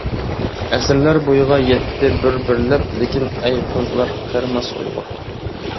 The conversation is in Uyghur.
ئەسىرلەر بۇيىغا يەتتى بىر-بىرلەپ لېكىن ئەي قىزلار قېرىماس ئۇيغۇر.